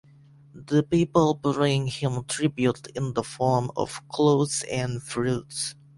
The people bring him tribute in the form of clothes and fruits.